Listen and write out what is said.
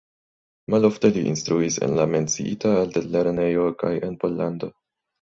Malofte li instruis en la menciita altlernejo kaj en Pollando.